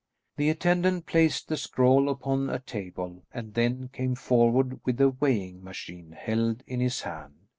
The attendant placed the scroll upon a table and then came forward with a weighing machine held in his hand.